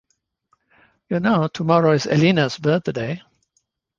You know tomorrow is Elena’s birthday.